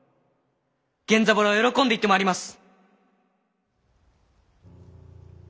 源三郎は喜んで行ってまいります！